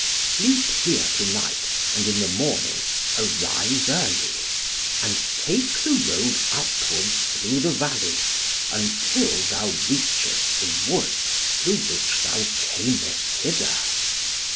Sleep here to night, and in the morning, arise early, and take the road upwards through the valley, until thou reachest the wood, through which thou camest hither.